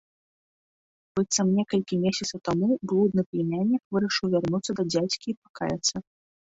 Быццам некалькі месяцаў таму блудны пляменнік вырашыў вярнуцца да дзядзькі і пакаяцца.